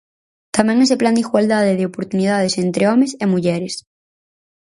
Tamén ese plan de igualdade de oportunidades entre homes e mulleres.